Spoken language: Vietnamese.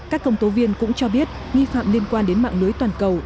các công tố viên cũng cho biết nghi phạm liên quan đến mạng lưới toàn cầu